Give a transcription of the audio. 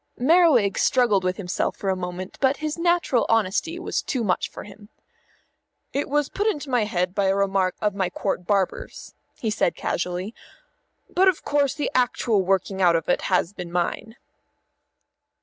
Merriwig struggled with himself for a moment, but his natural honesty was too much for him. "It was put into my head by a remark of my Court Barber's," he said casually. "But of course the actual working out of it has been mine."